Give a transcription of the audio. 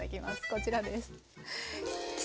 こちらです。